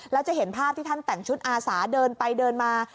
แล้วจะเห็นภาพที่ท่านแต่งชุดอาสาเดินไปเดินมา